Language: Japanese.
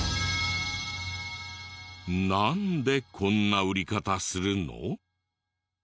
なんでこんな売り方するの？